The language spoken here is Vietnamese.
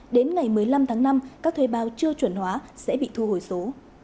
đến ngày một mươi năm tháng năm các thuê bao chưa chuẩn hóa sẽ bị thu hồi số